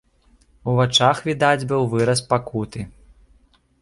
У вачах відаць быў выраз пакуты.